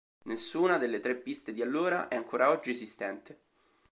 Nessuna delle tre piste di allora è ancora oggi esistente.